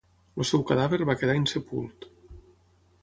El seu cadàver va quedar insepult.